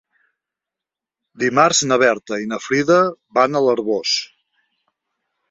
Dimarts na Berta i na Frida van a l'Arboç.